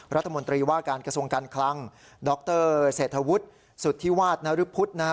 รัฐมนตรีว่าการกระทรวงการคลังดรเศรษฐวุฒิสุธิวาสนรพุทธนะฮะ